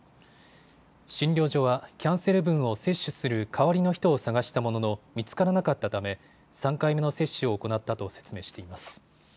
診療所はキャンセル分を接種する代わりの人を探したものの見つからなかったため３回目の接種を行ったと説明しています。